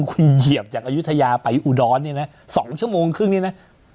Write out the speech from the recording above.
แล้วคุณเหยียบจากอยุธยาไปอุรนทร์นี่นะสองชั่วโมงครึ่งนี่นะ